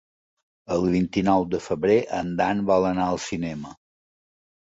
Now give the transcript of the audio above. El vint-i-nou de febrer en Dan vol anar al cinema.